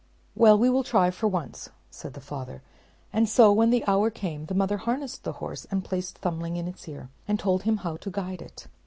"Well, we will try for once," said the father; and so, when the hour came, the mother harnessed the horse, and placed Thumbling in its ear, and told him how to guide it.